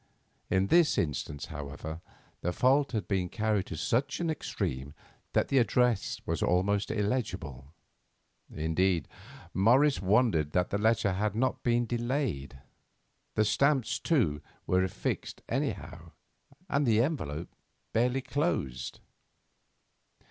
In this instance, however, the fault had been carried to such an extreme that the address was almost illegible; indeed, Morris wondered that the letter had not been delayed. The stamps, too, were affixed anyhow, and the envelope barely closed.